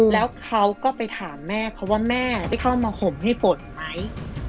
แล้วเขาก็ไปถามแม่เขาว่าแม่ได้เข้ามาห่มให้ฝนไหม